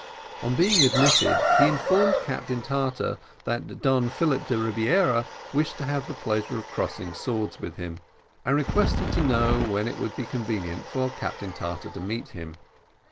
On being admitted, he informed Captain Tartar that Don Philip de Rebiera wished to have the pleasure of crossing swords with him, and requested to know when it would be convenient for Captain Tartar to meet him.